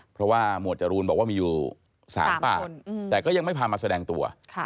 เพราะว่าหมวดจรูนบอกว่ามีอยู่๓ปากแต่ก็ยังไม่พามาแสดงตัว